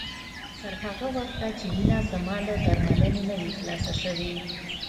تر هغه وخته چې مينه زما له درملنې نه وي خلاصه شوې